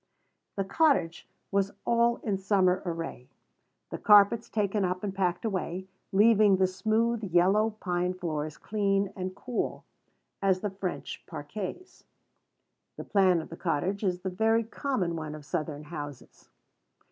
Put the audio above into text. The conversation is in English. The cottage was all in summer array; the carpets taken up and packed away, leaving the smooth, yellow pine floors clean and cool as the French parquets. The plan of the cottage is the very common one of Southern houses.